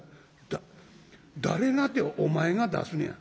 「だ誰がてお前が出すねや」。